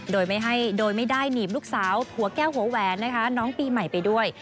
โดยไม่ได้หนีบลูกสาวหัวแก้วหัวแหวนนะคะน้องปีใหม่ไปด้วย